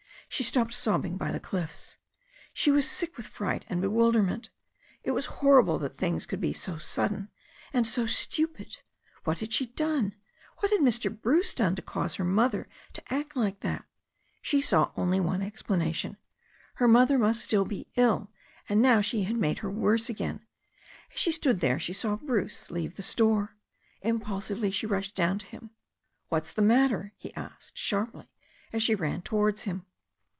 She stopped sobbing by the cliflfs. She was sick with fright and bewilderment. It was horrible that things could be so sudden and so stupid. What had she done, what had Mr. Bruce done to cause her mother to act like that? She saw only one explanation. Her mother must still be ill, and now she had made hen worse again. As she stood there she saw Bruce leave the store. Impulsively she rushed down to him. "What's the matter ?" he asked sharply, as she ran towards him.